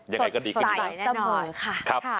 ยังไงก็ดีขึ้นครับครับสมัยแน่นอนสดใสแน่นอน